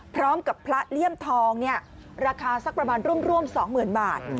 พร้อมกับพระเลี่ยมทองเนี่ยราคาสักประมาณร่วม๒๐๐๐บาท